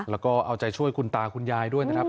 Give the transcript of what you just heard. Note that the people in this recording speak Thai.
แล้วก็เอาใจช่วยคุณตาคุณยายด้วยนะครับ